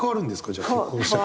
じゃあ結婚したら。